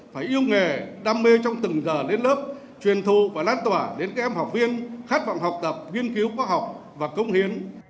phải yêu nghề đam mê trong từng giờ lên lớp truyền thụ và lan tỏa đến các em học viên khát vọng học tập nghiên cứu khoa học và công hiến